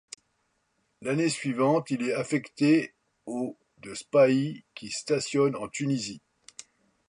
L'année suivante, il est affecté au de Spahis qui stationne en Tunisie.